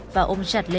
và ôm chặt lấy bóng đá